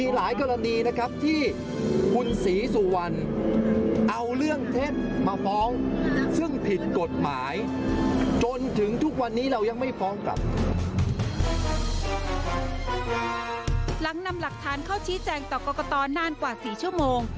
หลังนำหลักฐานเข้าชี้แจงต่อกรกตนานกว่า๔ชั่วโมง